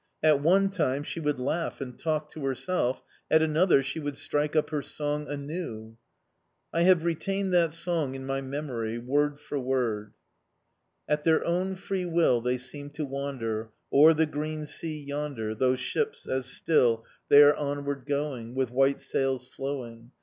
At one time, she would laugh and talk to herself, at another, she would strike up her song anew. I have retained that song in my memory, word for word: At their own free will They seem to wander O'er the green sea yonder, Those ships, as still They are onward going, With white sails flowing.